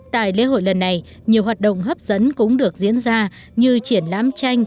tại lễ hội lần này nhiều hoạt động hấp dẫn cũng được diễn ra như triển lãm tranh